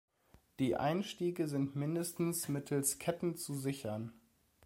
Die Einstiege sind mindestens mittels Ketten zu sichern.